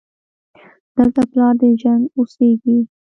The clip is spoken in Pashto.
دلته پلار د جنګ اوسېږي